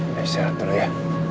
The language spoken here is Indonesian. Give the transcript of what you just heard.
ya istirahat dulu ya